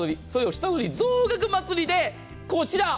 下取り増額祭りで、こちら。